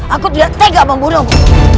aku tidak tega membunuhmu